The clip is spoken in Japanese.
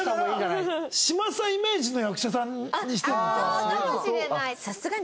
そうかもしれない。